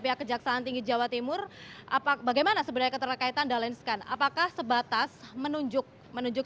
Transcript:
pihak kejaksaan tinggi jawa timur apa bagaimana sebenarnya keterkaitan dahlan iskan apakah sebatas menunjuk menunjuk